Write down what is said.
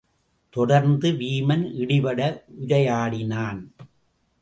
தொடர்ந்து வீமன் இடிபட உரையாடினான்.